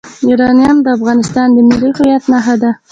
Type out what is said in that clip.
یورانیم د افغانستان د ملي هویت نښه ده.